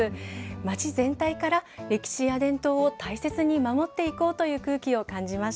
町全体から歴史や伝統を大切に守っていこうという空気を感じまし